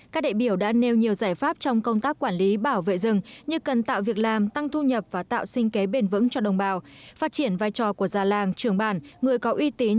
các đại biểu đã nêu nhiều giải pháp trong công tác quản lý bảo vệ rừng như cần tạo việc làm tăng thu nhập và tạo sinh kế bền vững cho đồng bào phát triển vai trò của gia làng trường bản người có uy tín